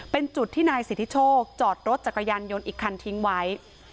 เป็นจุดที่นายสิทธิโชคจอดรถจักรยานยนต์อีกคันทิ้งไว้